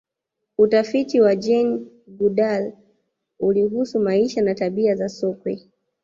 utafiti wa jane goodal ulihusu maisha na tabia za sokwe